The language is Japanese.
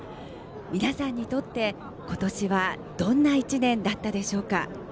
皆さんにとって、今年はどんな一年だったでしょうか？